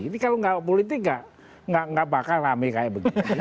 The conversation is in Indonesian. ini kalau nggak politik nggak bakal rame kayak begitu